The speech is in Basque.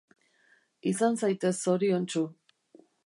Izan zaitez zoriontsu